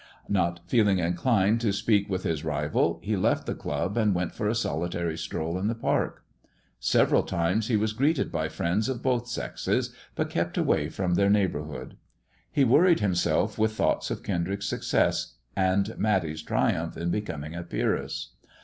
Not feeling inclined to speak with his rival, he left the club, and went for a solitary stroll in the Park. Several times he was greeted by friends of both sexes, but kept away from their neighbour hood. He worried himself with thoughts of Kendrick's success, and Matty's triumph in becoming a peeress.